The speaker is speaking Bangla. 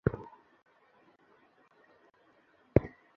বিনিয়োগের কৌশল নিয়ে তাঁর মন্ত্রগুলো খনার বচনের মতো প্রবাদে পরিণত হয়েছে।